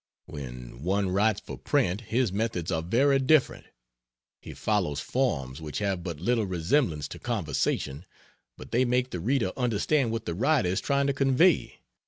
When one writes for print his methods are very different. He follows forms which have but little resemblance to conversation, but they make the reader understand what the writer is trying to convey.